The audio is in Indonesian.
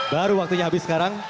baru waktunya habis sekarang